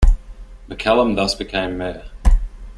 McCallum thus became mayor.